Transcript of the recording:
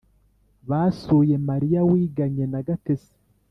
basuye mariya wiganye na gatesi.